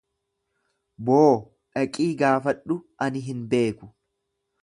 Boo, dhaqii gaafadhu, ani hin beeku.